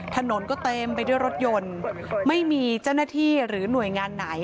ถนนก็เต็มไปด้วยรถยนต์ไม่มีเจ้าหน้าที่หรือหน่วยงานไหน